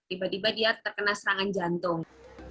tiba tiba dia terkena serangan jantung